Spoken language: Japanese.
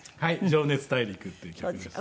『情熱大陸』っていう曲ですね。